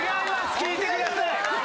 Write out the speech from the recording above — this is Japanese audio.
聞いてください！